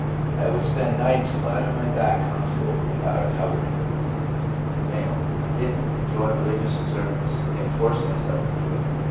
I would spend nights flat on my back on the floor without a covering/ M. ' I didn't enjoy religious observance, yet forced myself to it.